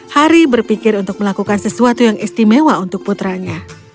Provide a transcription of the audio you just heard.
hari berpikir untuk melakukan sesuatu yang istimewa untuk putranya